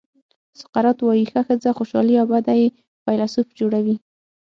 سقراط وایي ښه ښځه خوشالي او بده یې فیلسوف جوړوي.